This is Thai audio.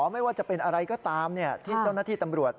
ไม่ว่าจะเป็นอะไรก็ตามที่เจ้าหน้าที่ตำรวจ